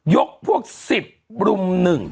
ยกพวก๑๐รุม๑